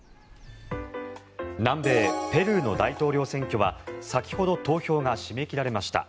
南米ペルーの大統領選挙は先ほど投票が締め切られました。